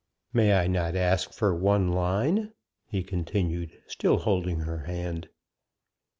"May I not ask for one line?" he continued, still holding her hand.